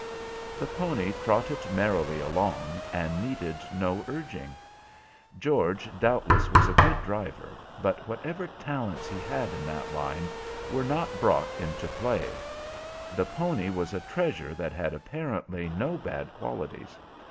The pony trotted merrily along, and needed no urging. George doubtless was a good driver, but whatever talents he had in that line were not brought into play. The pony was a treasure that had apparently no bad qualities.